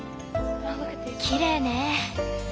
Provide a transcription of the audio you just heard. きれいね。